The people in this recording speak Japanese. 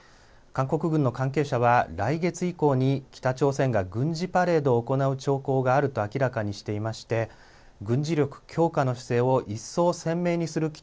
韓国軍の関係者は来月以降に北朝鮮が軍事パレードを行う兆候があると明らかにしていまして軍事力強化の姿勢を一層鮮明にする